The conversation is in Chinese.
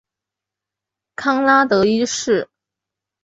康拉德一世。